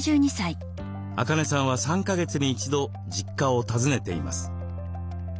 アカネさんは３か月に一度実家を訪ねています。